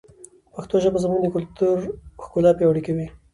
پښتو ژبه زموږ د کلتور ښکلا پیاوړې کوي.